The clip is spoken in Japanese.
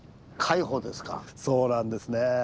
そうなんですね。